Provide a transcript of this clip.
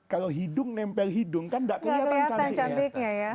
kalau hidung nempel hidung kan tidak kelihatan cantiknya